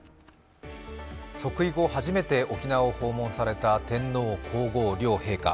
即位後初めて沖縄を訪問された天皇皇后両陛下。